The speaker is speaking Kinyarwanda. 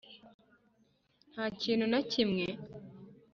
nta kintu na kimwe?